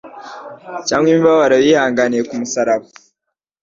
cyangwa imibabaro yihanganiye ku musaraba.